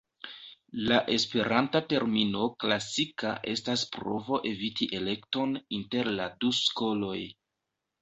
La esperanta termino "klasika" estas provo eviti elekton inter la du skoloj.